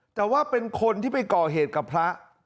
แต่ว่าเป็นคนที่ไปก่อเหตุกับพระ